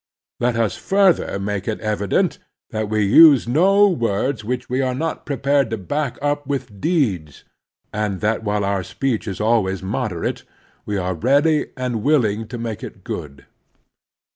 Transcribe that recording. Let us further make it evident that we use no words which we are not prepared to back up with deeds, and that while our speech is always mod erate, we are ready and willing to make it good.